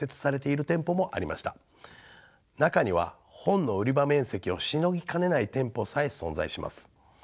中には本の売り場面積をしのぎかねない店舗さえ存在します。